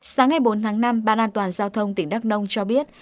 sáng ngày bốn tháng năm ban an toàn giao thông tỉnh đắk nông cho biết